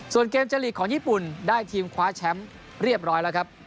ส่วนเกมจะลีกของญี่ปุ่นได้ทีมคว้าแชมป์เรียบร้อยแล้วครับ